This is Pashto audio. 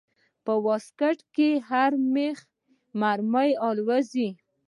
په واسکټ کښې هر مېخ لکه مرمۍ الوزي.